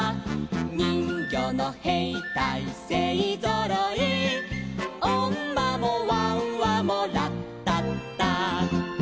「にんぎょうのへいたいせいぞろい」「おんまもわんわもラッタッタ」